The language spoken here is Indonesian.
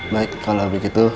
baik kalau begitu